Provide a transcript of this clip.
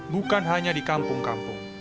bukan hanya di kampung kampung